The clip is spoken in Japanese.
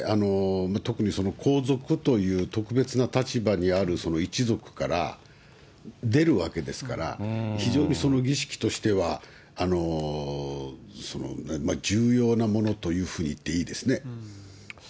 特に皇族という特別な立場にあるその一族から出るわけですから、非常に儀式としては重要なものというふうに言っていいですね。